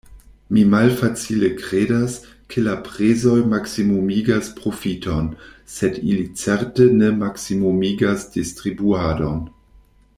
Mi malfacile kredas, ke la prezoj maksimumigas profiton, sed ili certe ne maksimumigas distribuadon.